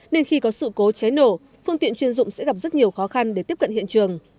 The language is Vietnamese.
nên khi có sự cố cháy nổ phương tiện chuyên dụng sẽ gặp rất nhiều khó khăn để tiếp cận hiện trường